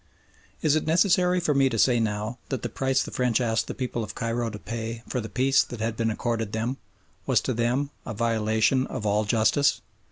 Is it necessary for me to say now that the price the French asked the people of Cairo to pay for the peace that had been accorded them, was to them a violation of all justice?